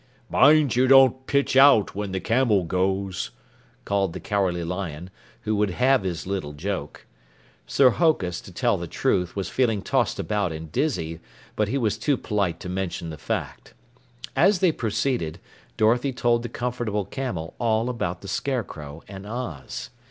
"Mind you don't pitch out when the Camel goes!" called the Cowardly Lion, who would have his little joke. Sir Hokus, to tell the truth, was feeling tossed about and dizzy, but he was too polite to mention the fact. As they proceeded, Dorothy told the Comfortable Camel all about the Scarecrow and Oz.